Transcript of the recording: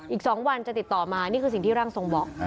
อีก๒วันจะติดต่อมานี่คือสิ่งที่ร่างทรงบอก